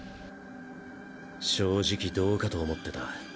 正直どうかと思ってた。